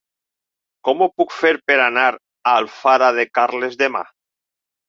Com ho puc fer per anar a Alfara de Carles demà?